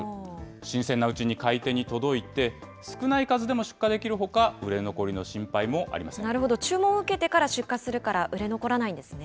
新鮮なうちに買い手に届いて、少ない数でも出荷できるほか、売れなるほど、注文を受けてから出荷するから、売れ残らないんですね。